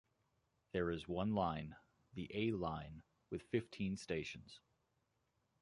There is one line, the A Line, with fifteen stations.